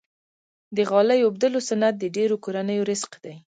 د غالۍ اوبدلو صنعت د ډیرو کورنیو رزق دی۔